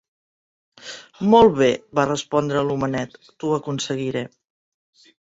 "Molt bé", va respondre l'homenet; "t'ho aconseguiré".